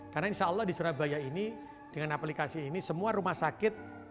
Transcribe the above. karena insya allah di surabaya ini dengan aplikasi ini semua rumah sakit